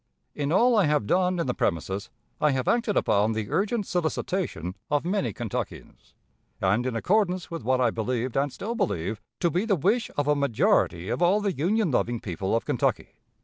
"In all I have done in the premises, I have acted upon the urgent solicitation of many Kentuckians, and in accordance with what I believed, and still believe, to be the wish of a majority of all the Union loving people of Kentucky.